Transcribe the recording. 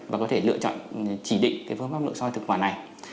và có thể lựa chọn chỉ định cái phương pháp nội soi thực quả này